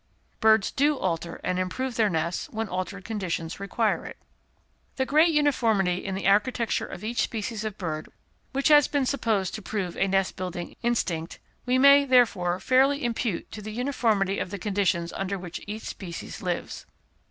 Birds do Alter and Improve their Nests when altered Conditions require it. The great uniformity in the architecture of each species of bird which has been supposed to prove a nest building instinct, we may, therefore, fairly impute to the uniformity of the conditions under which each species lives.